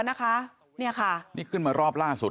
นี่ค่ะนี่ขึ้นมารอบล่าสุด